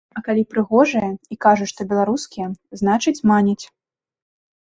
А калі прыгожыя і кажуць, што беларускія, значыць, маняць.